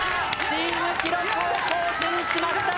チーム記録更新しました！